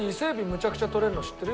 めちゃくちゃとれるの知ってる？